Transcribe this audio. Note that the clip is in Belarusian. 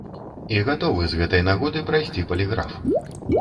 І гатовы з гэтай нагоды прайсці паліграф.